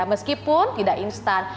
meskipun tidak instan